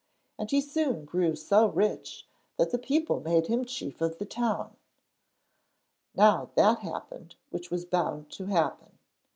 And he soon grew so rich that the people made him chief of the town. Now that happened which was bound to happen.